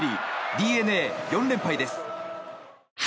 ＤｅＮＡ、４連敗です。